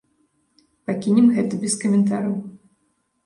Пакінем гэта без каментараў.